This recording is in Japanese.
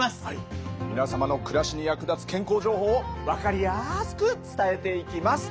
皆様の暮らしに役立つ健康情報を分かりやすく伝えていきます。